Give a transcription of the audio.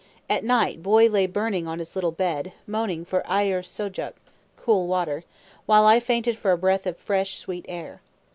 At night Boy lay burning on his little bed, moaning for aiyer sujok (cold water), while I fainted for a breath of fresh, sweet air.